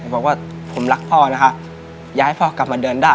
บอกว่าผมรักพ่อนะฮะย้ายพ่อกลับมาเดินได้